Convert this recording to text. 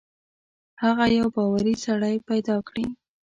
هغه یو باوري سړی پیدا کړي.